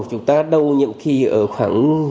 chúng ta đầu nhiệm kỳ ở khoảng tám mươi chín chín mươi